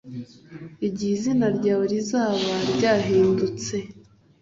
Igihe izina ryawe rizaba ryahindutse